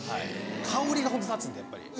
香りがホント立つんでやっぱり。